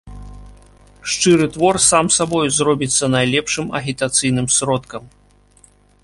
Шчыры твор сам сабою зробіцца найлепшым агітацыйным сродкам.